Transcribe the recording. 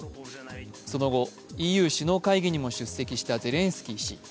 その後、ＥＵ首脳会議にも出席したゼレンスキー氏。